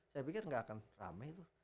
saya pikir gak akan rame itu